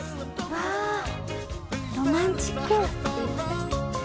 わあロマンチック。